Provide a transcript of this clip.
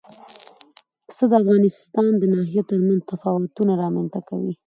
پسه د افغانستان د ناحیو ترمنځ تفاوتونه رامنځ ته کوي.